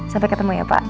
sampai ketemu ya pak